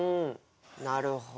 なるほど。